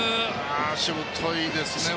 しぶといですね。